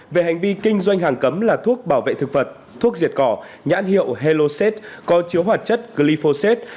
về hành vi kinh doanh hàng cấm là thuốc bảo vệ thực vật thuốc diệt cỏ nhãn hiệu heroset có chứa hoạt chất glyphosate